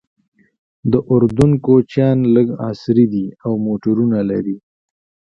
د اردن کوچیان لږ عصري دي او موټرونه لري.